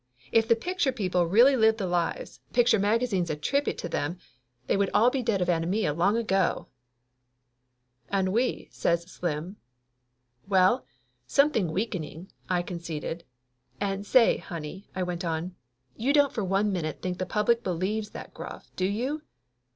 If the picture people really lived the lives the picture 12 Laughter Limited magazines attribute to them they would all be dead of anaemia long ago!" "Ennui !" says Slim. "Well, something weakening!" I conceded. "And say. honey," I went on, "you don't for one minute think the public believes that guff, do you